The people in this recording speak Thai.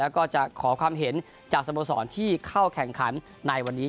แล้วก็จะขอความเห็นจากสโมสรที่เข้าแข่งขันในวันนี้